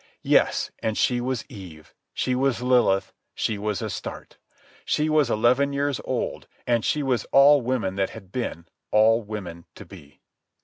Yes, and she was Eve, she was Lilith, she was Astarte. She was eleven years old, and she was all women that had been, all women to be.